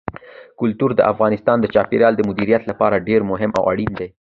کلتور د افغانستان د چاپیریال د مدیریت لپاره ډېر مهم او اړین دي.